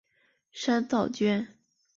山噪鹛。